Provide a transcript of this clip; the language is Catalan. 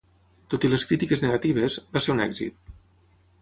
Tot i les crítiques negatives, va ser un èxit.